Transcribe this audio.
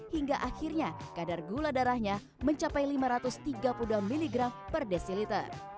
hingga akhirnya kadar gula darahnya mencapai lima ratus tiga puluh dua mg per desiliter